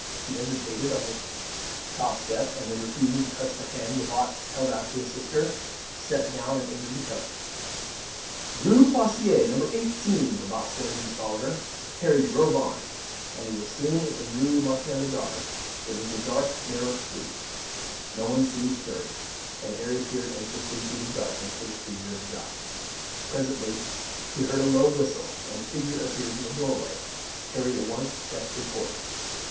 She hesitated on the top step, and then refusing to touch the hand Lebat held out to assist her, stepped down and entered the coach. "Rue Fosseuse No. 18," Lebat said as he followed her. Harry drove on, and was soon in the Rue Montagnard. It was a dark narrow street; no one seemed stirring, and Harry peered anxiously through the darkness for the figure of Jacques. Presently he heard a low whistle, and a figure appeared from a doorway. Harry at once checked the horse.